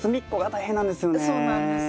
そうなんですよ。